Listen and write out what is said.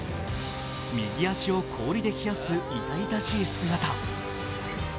右足を氷で冷やす痛々しい姿。